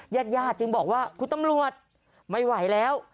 ญาติญาติจึงบอกว่าคุณตำรวจไม่ไหวแล้ว